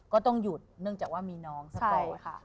ก็ต้องหยุดเนื่องจากว่ามีน้องสักก่อนค่ะ